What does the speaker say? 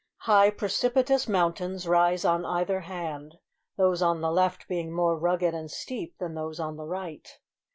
High precipitous mountains rise on either hand those on the left being more rugged and steep than those on the right.